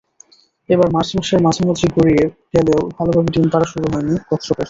এবার মার্চ মাসের মাঝামাঝি গড়িয়ে গেলেও ভালোভাবে ডিম পাড়া শুরু হয়নি কচ্ছপের।